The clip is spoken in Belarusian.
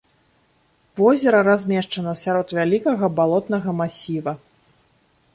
Возера размешчана сярод вялікага балотнага масіва.